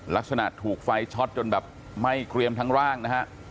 ลักษณะถูกไฟช็อตจนแบบไหม้เกรียมทั้งร่างนะฮะ